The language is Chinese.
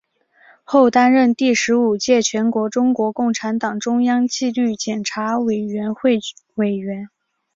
后担任第十五届全国中国共产党中央纪律检查委员会委员。